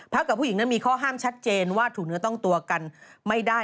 กับผู้หญิงนั้นมีข้อห้ามชัดเจนว่าถูกเนื้อต้องตัวกันไม่ได้